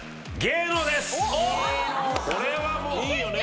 これはもういいよね。